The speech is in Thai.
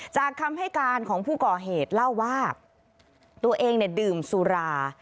คำให้การของผู้ก่อเหตุเล่าว่าตัวเองเนี่ยดื่มสุรา